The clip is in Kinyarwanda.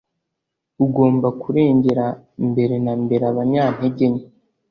ugomba kurengera mbere na mbere abanyantege nke